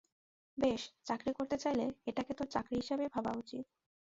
বেশ, চাকরি করতে চাইলে, এটাকে তোর চাকরি হিসাবেই ভাবা উচিত।